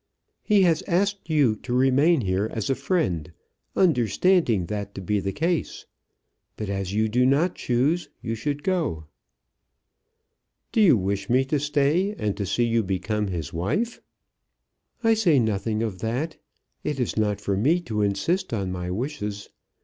He has asked you to remain here as a friend, understanding that to be the case. But as you do not choose, you should go." "Do you wish me to stay, and to see you become his wife?" "I say nothing of that. It is not for me to insist on my wishes.